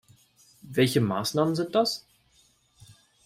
Welche Maßnahmen sind das?